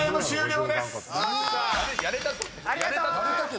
泰造ありがとう！